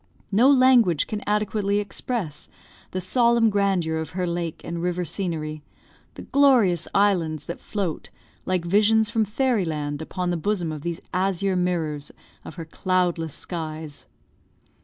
No language can adequately express the solemn grandeur of her lake and river scenery; the glorious islands that float, like visions from fairy land, upon the bosom of these azure mirrors of her cloudless skies.